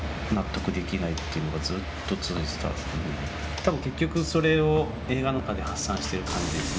多分結局それを映画の中で発散してる感じですね。